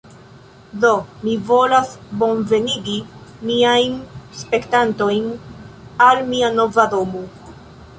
Do, mi volas bonvenigi miajn spektantojn al mia nova domo